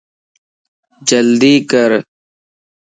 جلدي ڪر